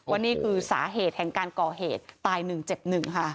ว่านี่คือสาเหตุแห่งการก่อเหตุตาย๑เจ็บ๑ค่ะ